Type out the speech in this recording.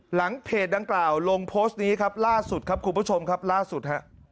เพจดังกล่าวลงโพสต์นี้ครับล่าสุดครับคุณผู้ชมครับล่าสุดฮะ